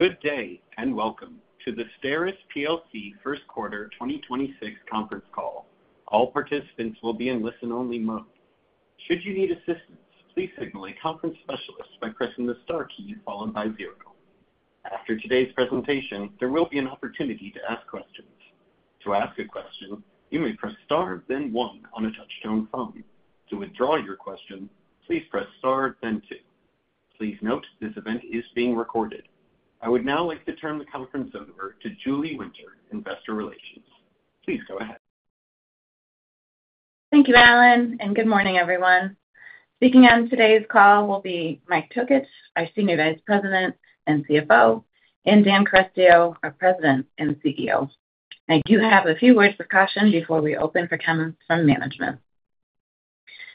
Good day and welcome to the STERIS PLC first quarter 2026 conference call. All participants will be in listen-only mode. Should you need assistance, please signal a conference specialist by pressing the star key followed by zero. After today's presentation, there will be an opportunity to ask questions. To ask a question, you may press star, then one on a touch-tone phone. To withdraw your question, please press star, then two. Please note this event is being recorded. I would now like to turn the conference over to Julie Winter, Investor Relations. Please go ahead. Thank you, Alan, and good morning, everyone. Speaking on today's call will be Mike Tokich, our Senior Vice President and CFO, and Dan Carestio, our President and CEO. I do have a few words of caution before we open for comments from management.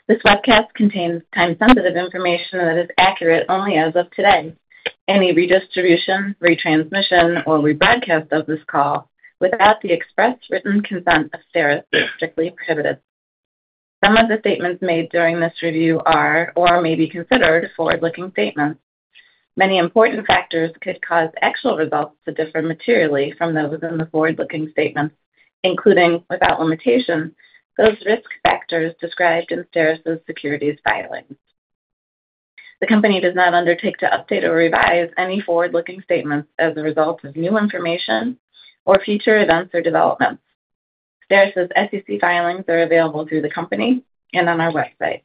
This webcast contains time-sensitive information that is accurate only as of today. Any redistribution, retransmission, or rebroadcast of this call without the express written consent of STERIS is strictly prohibited. Some of the statements made during this review are, or may be considered, forward-looking statements. Many important factors could cause actual results to differ materially from those in the forward-looking statements, including, without limitation, those risk factors described in STERIS's securities filing. The company does not undertake to update or revise any forward-looking statements as a result of new information or future events or developments. STERIS's SEC filings are available through the company and on our website.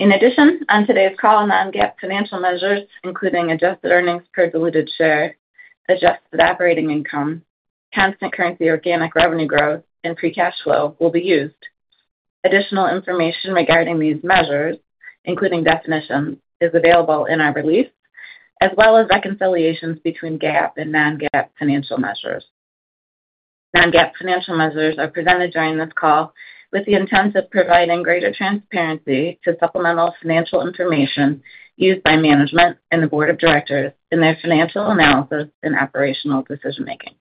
In addition, on today's call, non-GAAP financial measures, including adjusted earnings per diluted share, adjusted operating income, constant currency organic revenue growth, and free cash flow will be used. Additional information regarding these measures, including definitions, is available in our release, as well as reconciliations between GAAP and non-GAAP financial measures. Non-GAAP financial measures are presented during this call with the intent of providing greater transparency to supplemental financial information used by management and the board of directors in their financial analysis and operational decision-making.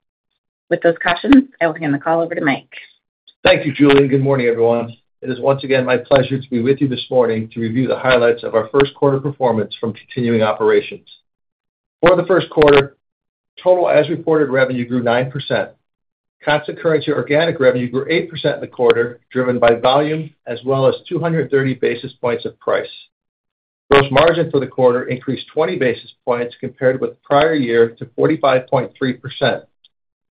With those cautions, I will hand the call over to Mike. Thank you, Julie. Good morning, everyone. It is once again my pleasure to be with you this morning to review the highlights of our first quarter performance from continuing operations. For the first quarter, total as reported revenue grew 9%. Constant currency organic revenue grew 8% in the quarter, driven by volume as well as 230 basis points of price. Gross margin for the quarter increased 20 basis points compared with the prior year to 45.3%.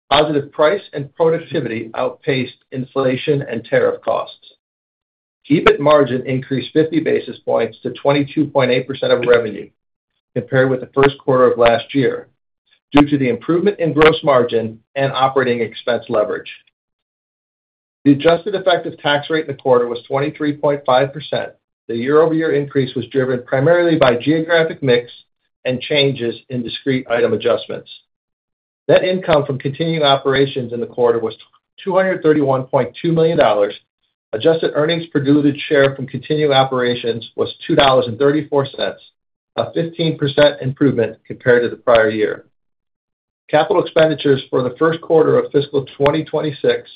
Positive price and productivity outpaced inflation and tariff costs. EBIT margin increased 50 basis points to 22.8% of revenue compared with the first quarter of last year due to the improvement in gross margin and operating expense leverage. The adjusted effective tax rate in the quarter was 23.5%. The year-over-year increase was driven primarily by geographic mix and changes in discrete item adjustments. Net income from continuing operations in the quarter was $231.2 million. Adjusted earnings per diluted share from continuing operations was $2.34, a 15% improvement compared to the prior year. Capital expenditures for the first quarter of fiscal 2026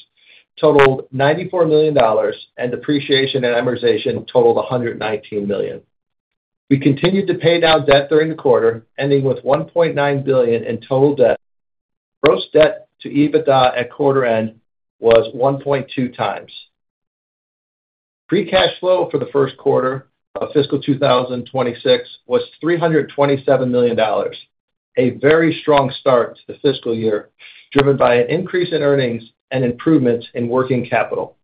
totaled $94 million, and depreciation and amortization totaled $119 million. We continued to pay down debt during the quarter, ending with $1.9 billion in total debt. Gross debt to EBITDA at quarter end was 1.2x. Free cash flow for the first quarter of fiscal 2026 was $327 million, a very strong start to the fiscal year, driven by an increase in earnings and improvements in working capital.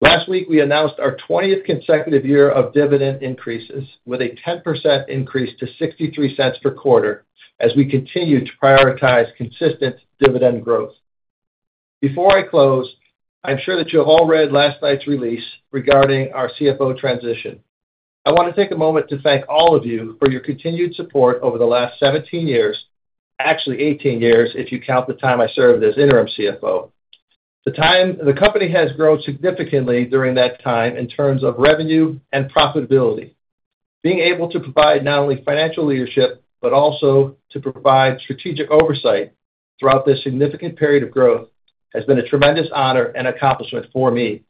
Last week, we announced our 20th consecutive year of dividend increases with a 10% increase to $0.63 per quarter as we continue to prioritize consistent dividend growth. Before I close, I'm sure that you have all read last night's release regarding our CFO transition. I want to take a moment to thank all of you for your continued support over the last 17 years, actually 18 years if you count the time I served as interim CFO. The company has grown significantly during that time in terms of revenue and profitability. Being able to provide not only financial leadership but also to provide strategic oversight throughout this significant period of growth has been a tremendous honor and accomplishment for me.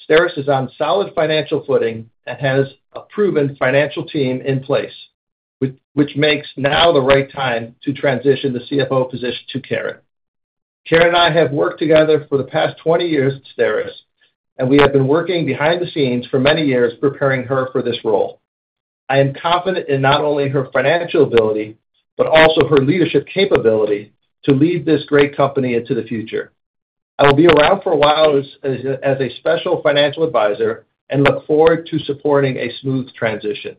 STERIS is on solid financial footing and has a proven financial team in place, which makes now the right time to transition the CFO position to Karen. Karen and I have worked together for the past 20 years at STERIS, and we have been working behind the scenes for many years, preparing her for this role. I am confident in not only her financial ability but also her leadership capability to lead this great company into the future. I'll be around for a while as a special financial advisor and look forward to supporting a smooth transition.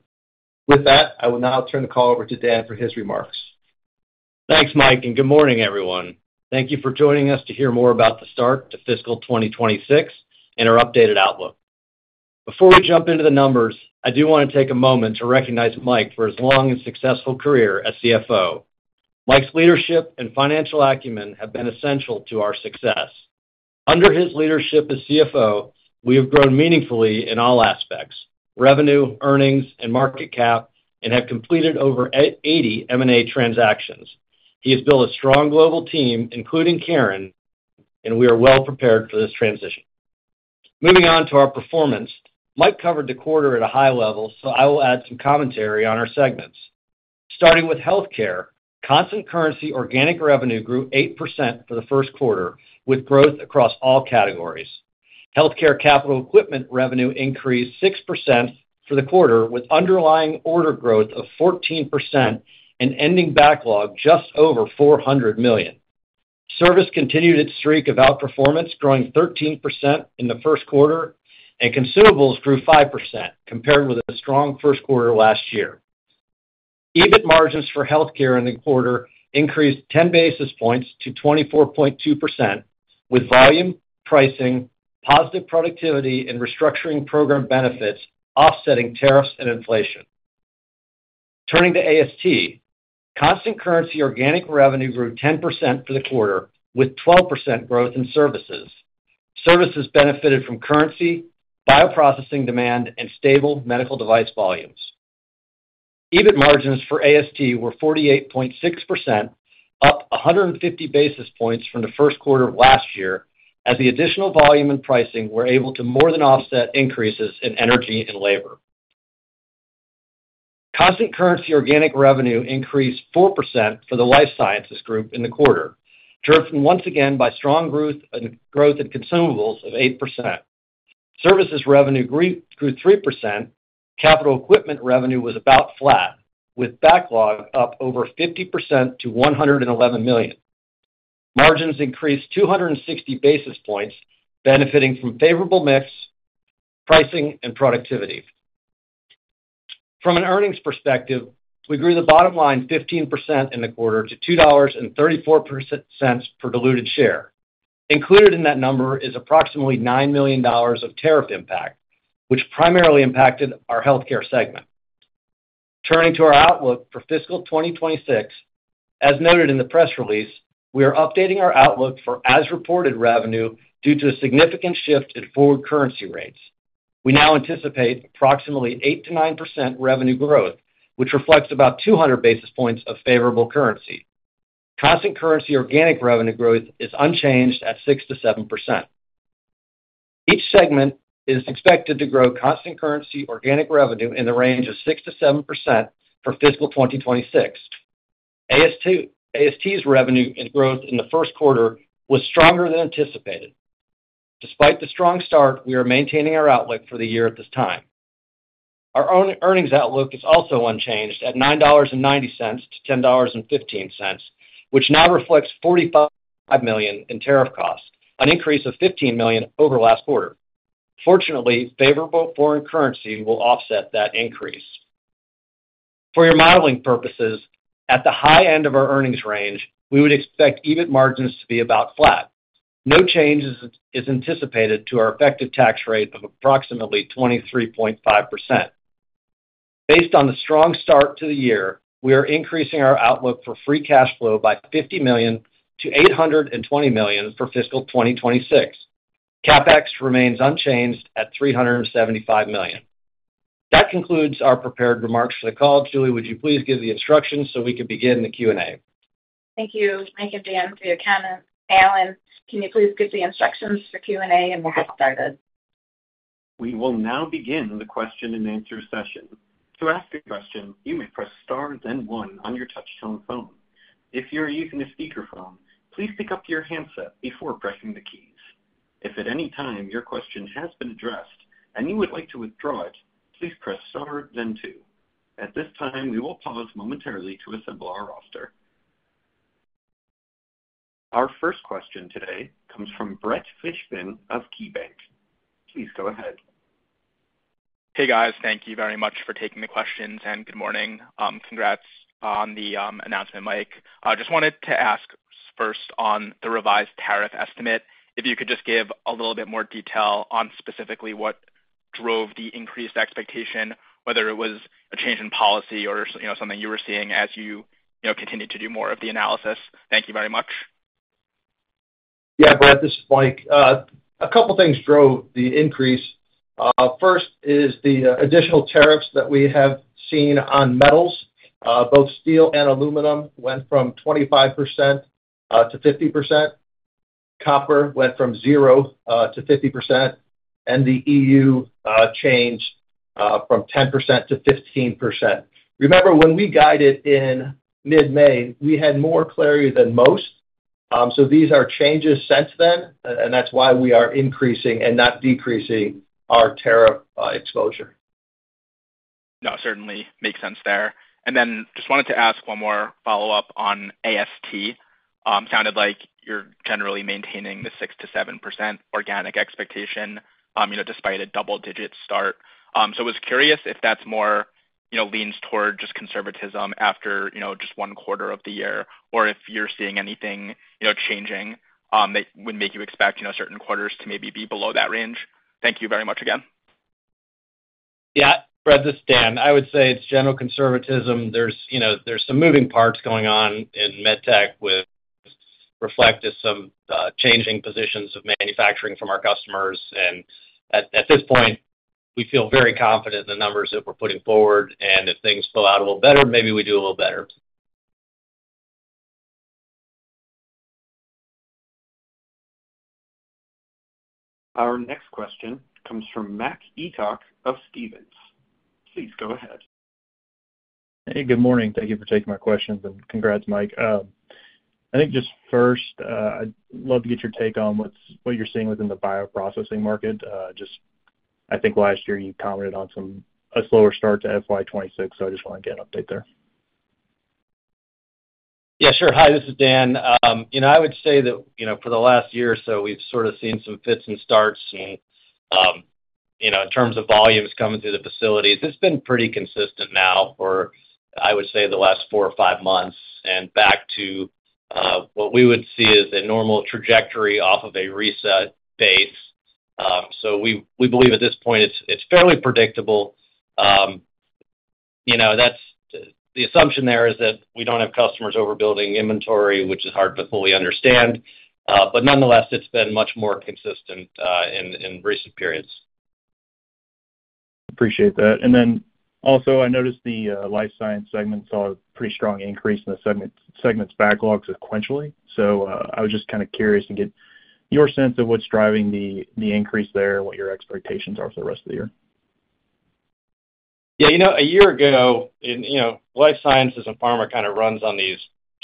With that, I will now turn the call over to Dan for his remarks. Thanks, Mike, and good morning, everyone. Thank you for joining us to hear more about the start to fiscal 2026 and our updated outlook. Before we jump into the numbers, I do want to take a moment to recognize Mike for his long and successful career as CFO. Mike's leadership and financial acumen have been essential to our success. Under his leadership as CFO, we have grown meaningfully in all aspects: Revenue, earnings, and market cap, and have completed over 80 M&A transactions. He has built a strong global team, including Karen, and we are well prepared for this transition. Moving on to our performance, Mike covered the quarter at a high level, so I will add some commentary on our segments. Starting with healthcare, constant currency organic revenue grew 8% for the first quarter, with growth across all categories. Healthcare capital equipment revenue increased 6% for the quarter, with underlying order growth of 14% and ending backlog just over $400 million. Service continued its streak of outperformance, growing 13% in the first quarter, and consumables grew 5% compared with a strong first quarter last year. EBIT margins for healthcare in the quarter increased 10 basis points to 24.2%, with volume, pricing, positive productivity, and restructuring program benefits offsetting tariffs and inflation. Turning to AST, constant currency organic revenue grew 10% for the quarter, with 12% growth in services. Services benefited from currency, bioprocessing demand, and stable medical device volumes. EBIT margins for AST were 48.6%, up 150 basis points from the first quarter of last year, as the additional volume and pricing were able to more than offset increases in energy and labor. Constant currency organic revenue increased 4% for the life sciences group in the quarter, driven once again by strong growth in consumables of 8%. Services revenue grew 3%. Capital equipment revenue was about flat, with backlog up over 50% to $111 million. Margins increased 260 basis points, benefiting from favorable mix, pricing, and productivity. From an earnings perspective, we grew the bottom line 15% in the quarter to $2.34 per diluted share. Included in that number is approximately $9 million of tariff impact, which primarily impacted our healthcare segment. Turning to our outlook for fiscal 2026, as noted in the press release, we are updating our outlook for as reported revenue due to a significant shift in forward currency rates. We now anticipate approximately 8%-9% revenue growth, which reflects about 200 basis points of favorable currency. Constant currency organic revenue growth is unchanged at 6%-7%. Each segment is expected to grow constant currency organic revenue in the range of 6%-7% for fiscal 2026. AST's revenue growth in the first quarter was stronger than anticipated. Despite the strong start, we are maintaining our outlook for the year at this time. Our own earnings outlook is also unchanged at $9.90-$10.15, which now reflects $45 million in tariff costs, an increase of $15 million over last quarter. Fortunately, favorable foreign currency will offset that increase. For your modeling purposes, at the high end of our earnings range, we would expect EBIT margins to be about flat. No change is anticipated to our effective tax rate of approximately 23.5%. Based on the strong start to the year, we are increasing our outlook for free cash flow by $50 million to $820 million for fiscal 2026. CapEx remains unchanged at $375 million. That concludes our prepared remarks for the call. Julie, would you please give the instructions so we could begin the Q&A? Thank you, Mike and Dan, for your comments. Alan, can you please give the instructions for Q&A, and we'll get started? We will now begin the question and answer session. To ask a question, you may press star, then one on your touch-tone phone. If you're using a speakerphone, please pick up your handset before pressing the keys. If at any time your question has been addressed and you would like to withdraw it, please press star, then two. At this time, we will pause momentarily to assemble our roster. Our first question today comes from Brett Fishman of KeyBanc. Please, go ahead. Hey, guys. Thank you very much for taking the questions and good morning. Congrats on the announcement, Mike. I just wanted to ask first on the revised tariff estimate, if you could just give a little bit more detail on specifically what drove the increased expectation, whether it was a change in policy or something you were seeing as you continued to do more of the analysis. Thank you very much. Yeah, Brett, this is Mike. A couple of things drove the increase. First is the additional tariffs that we have seen on metals. Both steel and aluminum went from 25% to 50%. Copper went from 0% to 50%. The EU changed from 10% to 15%. Remember, when we guided in mid-May, we had more clarity than most. These are changes since then, and that's why we are increasing and not decreasing our tariff exposure. No, certainly makes sense there. I just wanted to ask one more follow-up on AST. Sounded like you're generally maintaining the 6%-7% organic expectation, despite a double-digit start. I was curious if that's more leaning toward just conservatism after just one quarter of the year, or if you're seeing anything changing that would make you expect certain quarters to maybe be below that range. Thank you very much again. Yeah, Brett, this is Dan. I would say it's general conservatism. There's some moving parts going on in medtech with reflected some changing positions of manufacturing from our customers. At this point, we feel very confident in the numbers that we're putting forward. If things pull out a little better, maybe we do a little better. Our next question comes from Mac Etoch of Stephens. Please, go ahead. Hey, good morning. Thank you for taking my questions and congrats, Mike. I think just first, I'd love to get your take on what you're seeing within the bioprocessing market. I think last year you commented on some slower starts in FY26, so I just want to get an update there. Yeah, sure. Hi, this is Dan. I would say that for the last year or so, we've sort of seen some fits and starts in terms of volumes coming through the facilities. It's been pretty consistent now for, I would say, the last four or five months, back to what we would see as a normal trajectory off of a reset phase. We believe at this point it's fairly predictable. The assumption there is that we don't have customers overbuilding inventory, which is hard to fully understand. Nonetheless, it's been much more consistent in recent periods. Appreciate that. I noticed the life science segment saw a pretty strong increase in the segment's backlog sequentially. I was just kind of curious to get your sense of what's driving the increase there and what your expectations are for the rest of the year. Yeah, you know, a year ago, you know, life science as a pharma kind of runs on these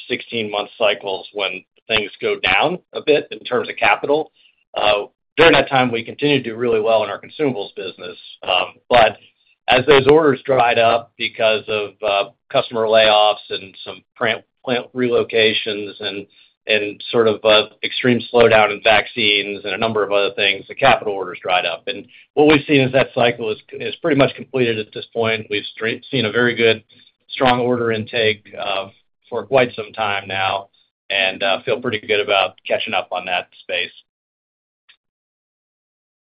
16-month cycles when things go down a bit in terms of capital. During that time, we continued to do really well in our consumables business. As those orders dried up because of customer layoffs and some plant relocations and sort of extreme slowdown in vaccines and a number of other things, the capital orders dried up. What we've seen is that cycle is pretty much completed at this point. We've seen a very good, strong order intake for quite some time now and feel pretty good about catching up on that space.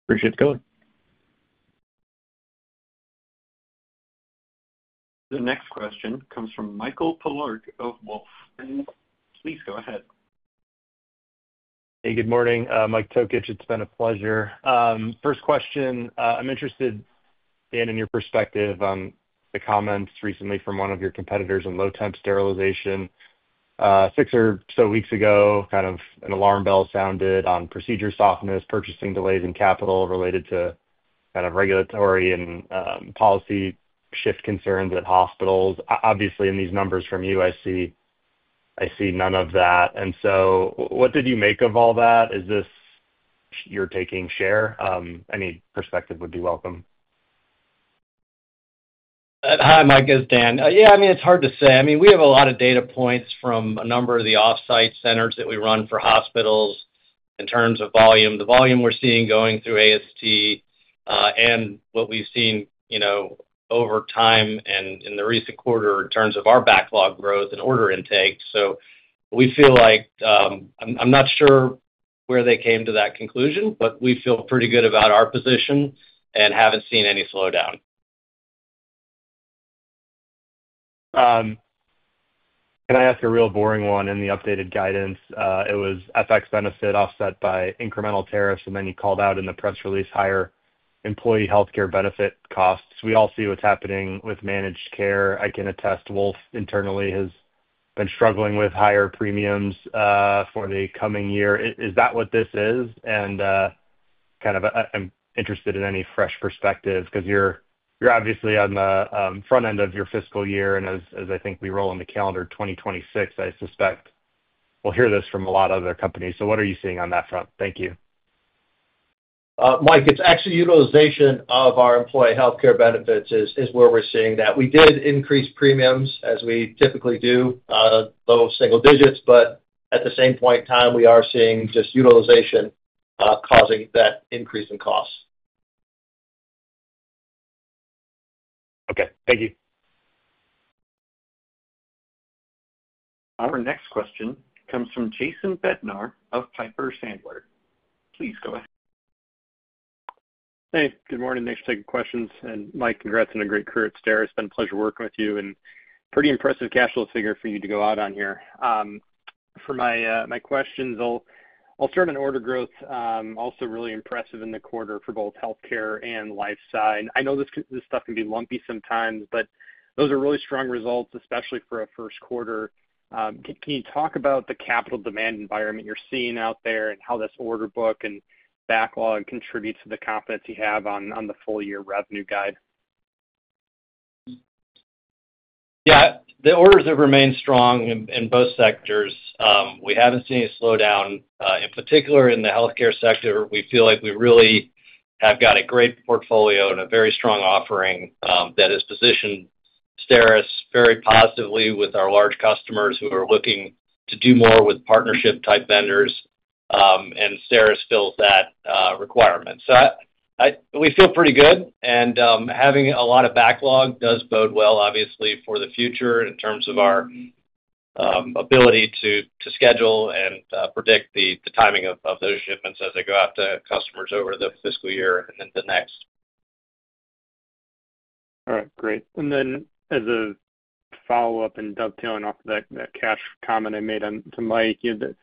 Appreciate the call. The next question comes from Michael Polark of Wolfe. Please, go ahead. Hey, good morning. Mike Tokich, it's been a pleasure. First question, I'm interested, Dan, in your perspective on the comments recently from one of your competitors in low-temp sterilization. Six or so weeks ago, kind of an alarm bell sounded on procedure softness, purchasing delays, and capital related to kind of regulatory and policy shift concerns at hospitals. Obviously, in these numbers from you, I see none of that. What did you make of all that? Is this your taking share? Any perspective would be welcome. Hi, Mike. This is Dan. Yeah, I mean, it's hard to say. We have a lot of data points from a number of the offsite centers that we run for hospitals in terms of volume. The volume we're seeing going through AST and what we've seen over time and in the recent quarter in terms of our backlog growth and order intake. We feel like I'm not sure where they came to that conclusion, but we feel pretty good about our position and haven't seen any slowdown. Can I ask a real boring one in the updated guidance? It was FX benefit offset by incremental tariffs, and then you called out in the press release higher employee healthcare benefit costs. We all see what's happening with managed care. I can attest Wolfe internally has been struggling with higher premiums for the coming year. Is that what this is? I'm interested in any fresh perspectives because you're obviously on the front end of your fiscal year, and as I think we roll in the calendar 2026, I suspect we'll hear this from a lot of other companies. What are you seeing on that front? Thank you. Mike, it's actually utilization of our employee healthcare benefits is where we're seeing that. We did increase premiums as we typically do, low single digits, but at the same point in time, we are seeing just utilization causing that increase in costs. Okay, thank you. Our next question comes from Jason Bednar of Piper Sandler. Please, go ahead. Hey, good morning. Thanks for taking questions. Mike, congrats on a great career at STERIS. It's been a pleasure working with you and a pretty impressive cash flow figure for you to go out on here. For my questions, I'll start on order growth. Also, really impressive in the quarter for both healthcare and life science. I know this stuff can be lumpy sometimes, but those are really strong results, especially for a first quarter. Can you talk about the capital demand environment you're seeing out there and how this order book and backlog contributes to the confidence you have on the full-year revenue guide? Yeah, the orders have remained strong in both sectors. We haven't seen any slowdown. In particular, in the healthcare sector, we feel like we really have got a great portfolio and a very strong offering that has positioned STERIS very positively with our large customers who are looking to do more with partnership-type vendors, and STERIS fills that requirement. We feel pretty good, and having a lot of backlog does bode well, obviously, for the future in terms of our ability to schedule and predict the timing of those shipments as they go out to customers over the fiscal year and into next. All right. Great. As a follow-up and dovetailing off of that cash comment I made to Mike, the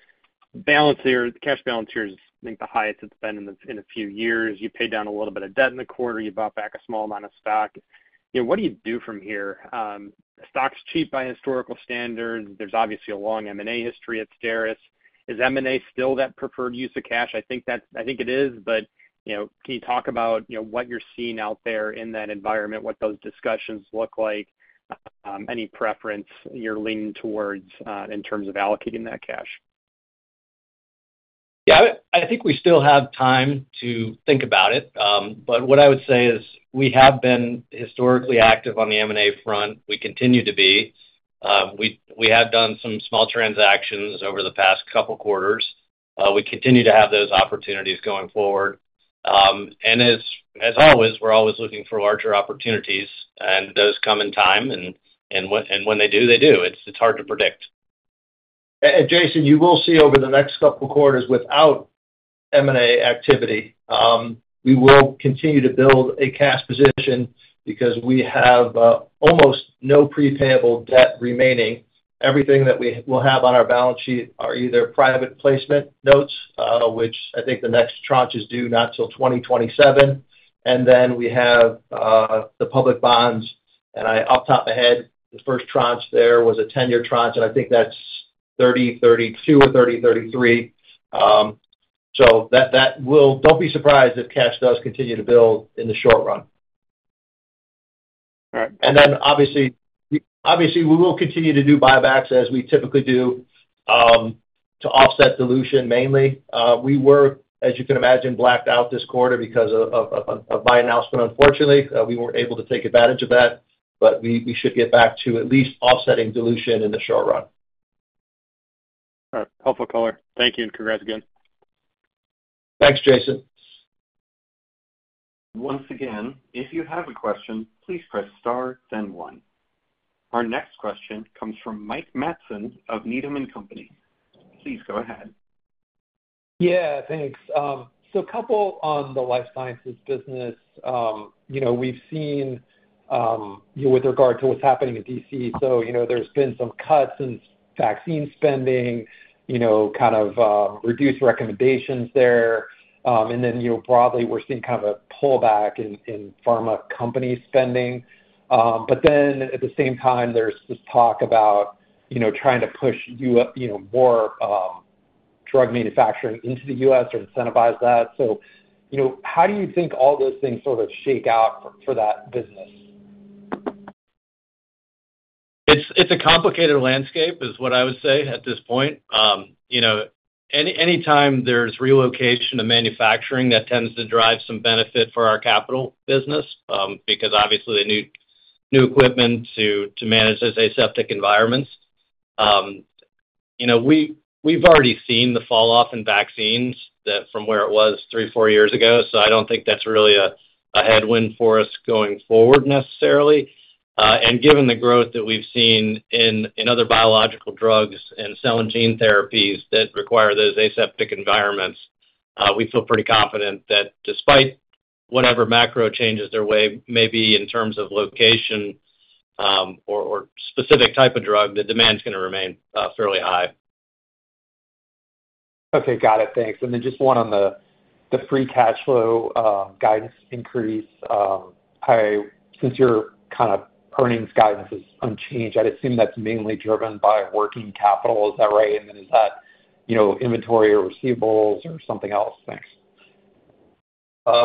balance here, the cash balance here is, I think, the highest it's been in a few years. You paid down a little bit of debt in the quarter. You bought back a small amount of stock. What do you do from here? The stock's cheap by historical standards. There's obviously a long M&A history at STERIS. Is M&A still that preferred use of cash? I think it is, but can you talk about what you're seeing out there in that environment, what those discussions look like, any preference you're leaning towards in terms of allocating that cash? I think we still have time to think about it. What I would say is we have been historically active on the M&A front. We continue to be. We have done some small transactions over the past couple of quarters. We continue to have those opportunities going forward. As always, we're always looking for larger opportunities, and those come in time, and when they do, they do. It's hard to predict. Jason, you will see over the next couple of quarters without M&A activity, we will continue to build a cash position because we have almost no prepayable debt remaining. Everything that we will have on our balance sheet are either private placement notes, which I think the next tranche is due not till 2027, and then we have the public bonds. Off the top of my head, the first tranche there was a 10-year tranche, and I think that's 2032, 2033. Do not be surprised if cash does continue to build in the short run. All right. Obviously, we will continue to do buybacks as we typically do to offset dilution mainly. We were, as you can imagine, blacked out this quarter because of a buy announcement. Unfortunately, we weren't able to take advantage of that, but we should get back to at least offsetting dilution in the short run. All right. Helpful color. Thank you and congrats again. Thanks, Jason. Once again, if you have a question, please press star, then one. Our next question comes from Mike Matson of Needham & Company. Please go ahead. Thanks. A couple on the life sciences business. We've seen you with regard to what's happening in D.C. There's been some cuts in vaccine spending, kind of reduced recommendations there. Broadly, we're seeing kind of a pullback in pharma company spending. At the same time, there's this talk about trying to push more drug manufacturing into the U.S. or incentivize that. How do you think all those things sort of shake out for that business? It's a complicated landscape is what I would say at this point. Anytime there's relocation of manufacturing, that tends to drive some benefit for our capital business because, obviously, the new equipment to manage those aseptic environments. We've already seen the falloff in vaccines from where it was three or four years ago. I don't think that's really a headwind for us going forward necessarily. Given the growth that we've seen in other biological drugs and cell and gene therapies that require those aseptic environments, we feel pretty confident that despite whatever macro changes there may be in terms of location or specific type of drug, the demand is going to remain fairly high. Okay, got it. Thanks. Just one on the free cash flow guidance increase. Since your kind of earnings guidance is unchanged, I'd assume that's mainly driven by working capital. Is that right? Is that, you know, inventory or receivables or something else? Thanks.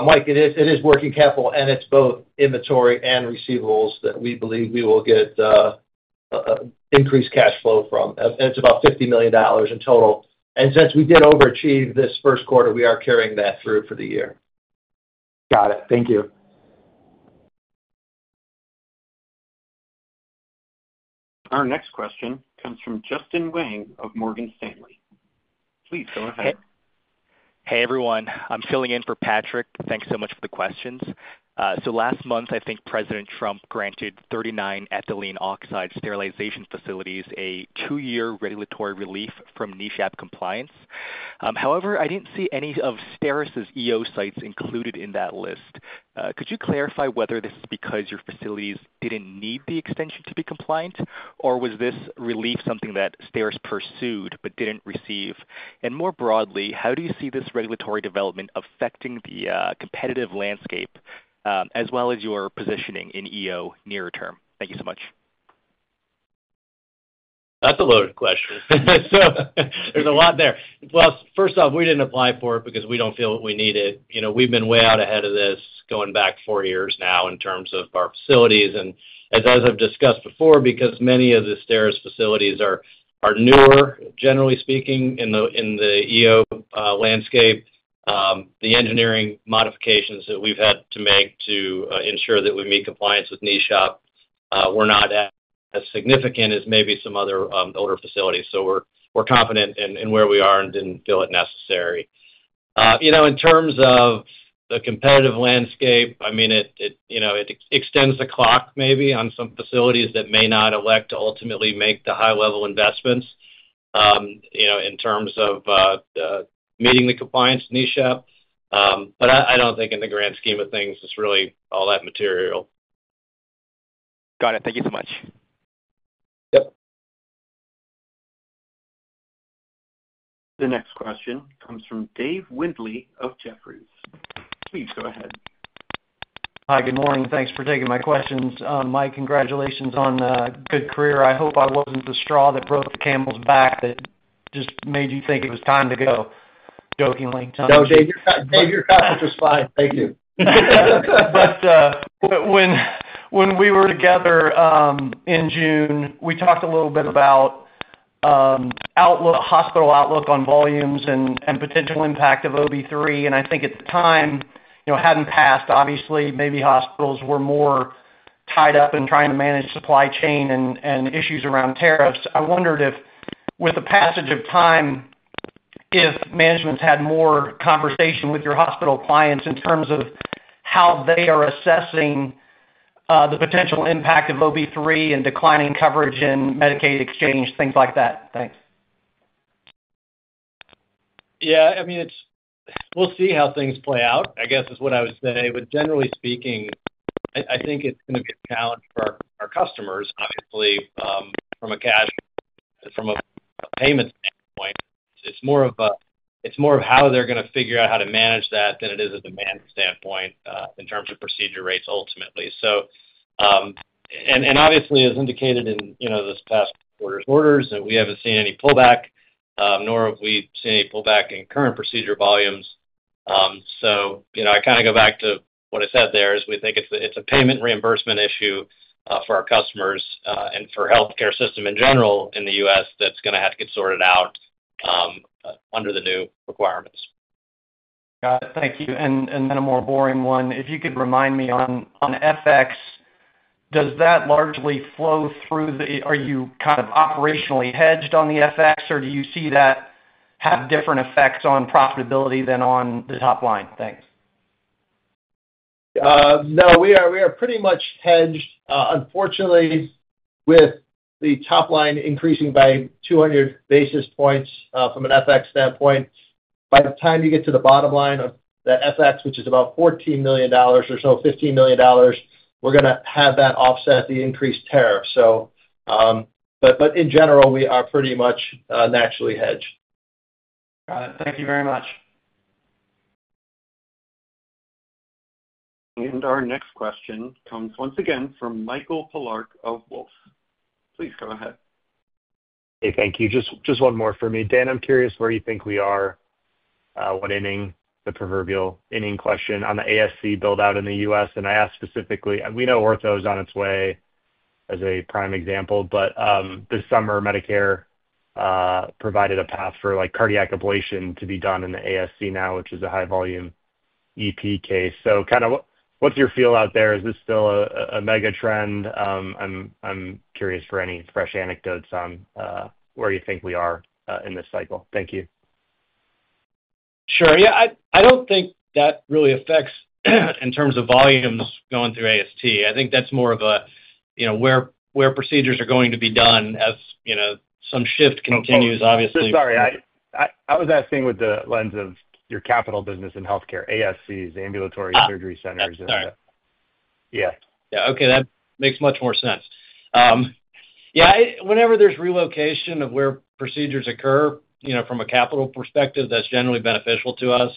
Mike, it is working capital, and it's both inventory and receivables that we believe we will get increased cash flow from. It's about $50 million in total. Since we did overachieve this first quarter, we are carrying that through for the year. Got it. Thank you. Our next question comes from Justin Wang of Morgan Stanley. Please, go ahead. Hey, everyone. I'm filling in for Patrick. Thanks so much for the questions. Last month, I think President Trump granted 39 ethylene oxide sterilization facilities a two-year regulatory relief from NESHAP compliance. However, I didn't see any of STERIS's EO sites included in that list. Could you clarify whether this is because your facilities didn't need the extension to be compliant, or was this relief something that STERIS pursued but didn't receive? More broadly, how do you see this regulatory development affecting the competitive landscape as well as your positioning in EO nearer term? Thank you so much. That's a loaded question. There's a lot there. First off, we didn't apply for it because we don't feel that we need it. We've been way out ahead of this going back four years now in terms of our facilities. As I've discussed before, because many of the STERIS facilities are newer, generally speaking, in the EO landscape, the engineering modifications that we've had to make to ensure that we meet compliance with NESHAP were not as significant as maybe some other older facilities. We're confident in where we are and didn't feel it necessary. In terms of the competitive landscape, it extends the clock maybe on some facilities that may not elect to ultimately make the high-level investments in terms of meeting the compliance NESHAP. I don't think in the grand scheme of things, it's really all that material. Got it. Thank you so much. The next question comes from Dave Windley of Jefferies. Please go ahead. Hi, good morning. Thanks for taking my questions. Mike, congratulations on a good career. I hope I wasn't the straw that broke the camel's back that just made you think it was time to go, jokingly. No, Dave, your comment was fine. Thank you. When we were together in June, we talked a little bit about hospital outlook on volumes and potential impact of OB3. I think at the time, it hadn't passed. Obviously, maybe hospitals were more tied up in trying to manage supply chain and issues around tariffs. I wondered if with the passage of time, if management's had more conversation with your hospital clients in terms of how they are assessing the potential impact of OB3 and declining coverage in Medicaid exchange, things like that? Thanks. Yeah, I mean, we'll see how things play out, I guess, is what I would say. Generally speaking, I think it's going to be a challenge for our customers, obviously, from a payment standpoint. It's more of how they're going to figure out how to manage that than it is a demand standpoint in terms of procedure rates ultimately. Obviously, as indicated in this past quarter's orders, we haven't seen any pullback, nor have we seen any pullback in current procedure volumes. I kind of go back to what I said there, is we think it's a payment reimbursement issue for our customers and for healthcare system in general in the U.S. that's going to have to get sorted out under the new requirements. Got it. Thank you. A more boring one, if you could remind me on FX, does that largely flow through the, are you kind of operationally hedged on the FX, or do you see that have different effects on profitability than on the top line? Thanks. No, we are pretty much hedged. Unfortunately, with the top line increasing by 200 basis points from an FX standpoint, by the time you get to the bottom line on that FX, which is about $14 million or so, $15 million, we're going to have that offset the increased tariff. In general, we are pretty much naturally hedged. Got it. Thank you very much. Our next question comes once again from Michael Polark of Wolfe. Please go ahead. Hey, thank you. Just one more for me. Dan, I'm curious where you think we are with the proverbial inning question on the ASC buildout in the U.S. I ask specifically, we know ortho is on its way as a prime example, but this summer, Medicare provided a path for like cardiac ablation to be done in the ASC now, which is a high-volume EP case. What's your feel out there? Is this still a mega trend? I'm curious for any fresh anecdotes on where you think we are in this cycle. Thank you. Sure. I don't think that really affects, in terms of volumes going through AST. I think that's more of a, you know, where procedures are going to be done as some shift continues, obviously. Sorry, I was asking with the lens of your capital business in healthcare, ASCs, ambulatory surgery centers. Yeah. Okay, that makes much more sense. Whenever there's relocation of where procedures occur, you know, from a capital perspective, that's generally beneficial to us.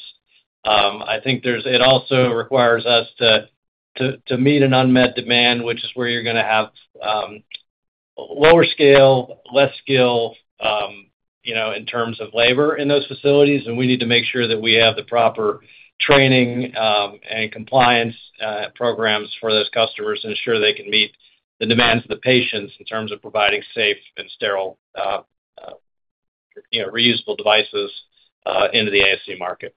I think it also requires us to meet an unmet demand, which is where you're going to have lower scale, less skill, you know, in terms of labor in those facilities. We need to make sure that we have the proper training and compliance programs for those customers to ensure they can meet the demands of the patients in terms of providing safe and sterile, you know, reusable devices into the ASC market.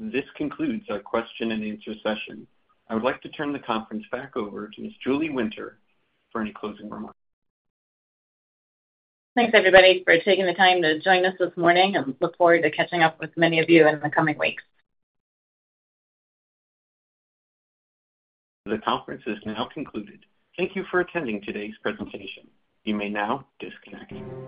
This concludes our question and answer session. I would like to turn the conference back over to Ms. Julie Winter for any closing remarks. Thanks, everybody, for taking the time to join us this morning. I look forward to catching up with many of you in the coming weeks. The conference is now concluded. Thank you for attending today's presentation. You may now disconnect.